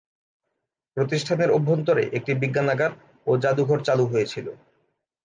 প্রতিষ্ঠানের অভ্যন্তরে একটি বিজ্ঞানাগার ও যাদুঘর চালু হয়েছিল।